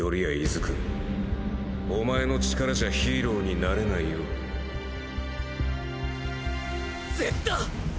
出久お前の力じゃヒーローになれないよずっと！